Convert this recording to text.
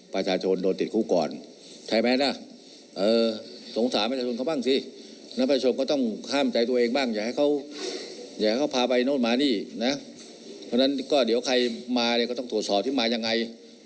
เพราะฉะนั้นก็เดี๋ยวใครมาก็ต้องตรวจสอบที่มายังไง